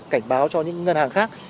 cảnh báo cho những ngân hàng khác